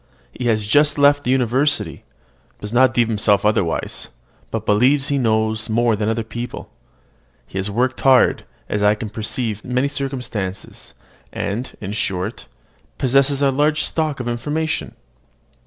He has just left the university, does not deem himself overwise, but believes he knows more than other people. He has worked hard, as I can perceive from many circumstances, and, in short, possesses a large stock of information.